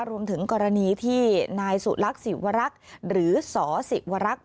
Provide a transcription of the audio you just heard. รวมถึงกรณีที่นายสุรรักษ์ศิวรรคหรือศศิวรรค